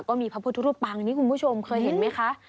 ก็มีพระพุทธรูปปังนี่คุณผู้ชมเคยเห็นไหมคะ